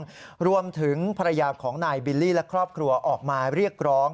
จึงจ้องถึงพญากรของนายบิลลี่และครอบครัวออกมาเรียกร้อง